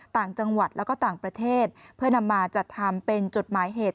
ต่างจังหวัดแล้วก็ต่างประเทศเพื่อนำมาจัดทำเป็นจดหมายเหตุ